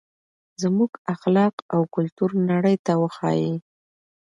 زموږ اخلاق او کلتور نړۍ ته وښایئ.